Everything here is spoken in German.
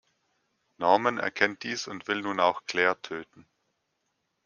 Norman erkennt dies und will nun auch Claire töten.